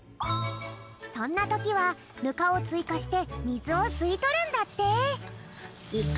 そんなときはぬかをついかしてみずをすいとるんだって！